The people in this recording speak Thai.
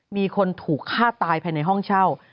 มีคนถูกฆ่าตายภายในห้องเช่า